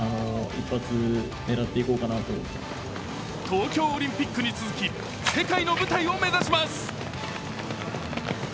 東京オリンピックに続き、世界の舞台を目指します。